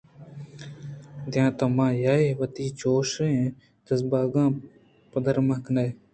داں تو مہ یائےءُ وتی جوشءُ جذبگاں پدّرمہ کنئے